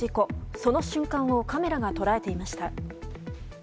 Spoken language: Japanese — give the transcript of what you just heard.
その瞬間をカメラが捉えていました。